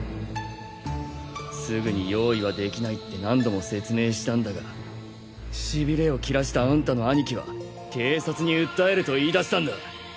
すぐに用意はできないって何度も説明したんだがしびれを切らしたあんたのアニキは警察に訴えると言い出したんだ。